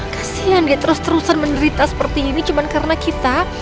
kasian dia terus terusan menderita seperti ini cuma karena kita